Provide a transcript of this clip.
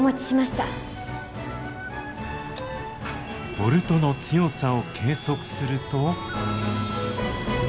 ボルトの強さを計測すると。